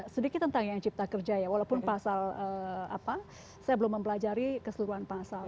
sedikit tentang yang cipta kerja ya walaupun pasal apa saya belum mempelajari keseluruhan pasal